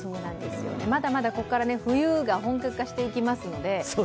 まだまだここから冬が本格化していきますので。